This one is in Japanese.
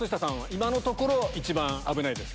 今のところ一番危ないです。